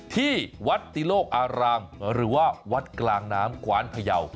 ที่วัดติโลกอารามหรือว่าวัดกลางน้ำกว้านพยาว